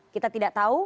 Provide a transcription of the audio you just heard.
kita tidak tahu